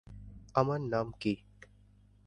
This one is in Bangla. আমার নাম কী?